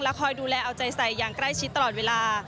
คอยดูแลเอาใจใส่อย่างใกล้ชิดตลอดเวลา